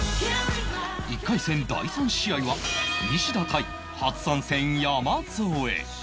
１回戦第３試合は西田対初参戦山添